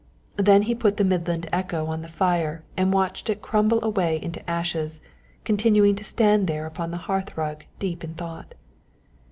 Then he put the Midland Echo on the fire and watched it crumble away into ashes, continuing to stand there upon the hearthrug deep in thought.